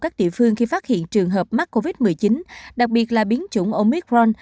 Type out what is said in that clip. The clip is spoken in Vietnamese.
các địa phương khi phát hiện trường hợp mắc covid một mươi chín đặc biệt là biến chủng omicron